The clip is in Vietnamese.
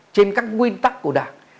trên các nguyên tắc của đảng